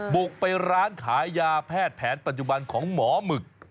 บุกไปร้านขายยาแพทย์แผนปัจจุบันของหมอหมึก